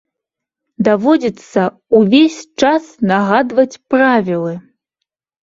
Даводзіцца ўвесь час нагадваць правілы.